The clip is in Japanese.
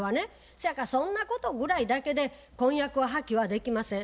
そやからそんなことぐらいだけで婚約は破棄はできません。